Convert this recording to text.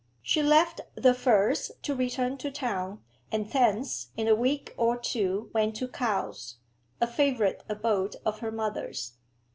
She left The Firs to return to town, and thence in a week or two went to Cowes, a favourite abode of her mother's.